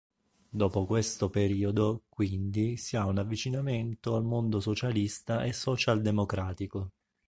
Dopo questo periodo quindi si ha un avvicinamento al mondo socialista e socialdemocratico.